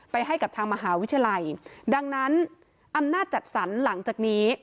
ให้กับทางมหาวิทยาลัยดังนั้นอำนาจจัดสรรหลังจากนี้